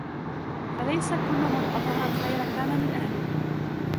فَلَيْسَ كُلُّ مَنْ أَظْهَرَ الْخَيْرَ كَانَ مِنْ أَهْلِهِ